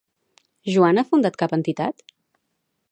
Joana ha fundat cap entitat?